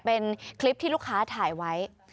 เป็นคลิปที่ลูกค้าถ่ายไว้